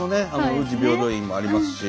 宇治平等院もありますし。